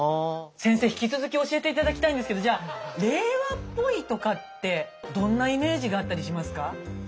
先生引き続き教えて頂きたいんですけどじゃ令和っぽいとかってどんなイメージがあったりしますか？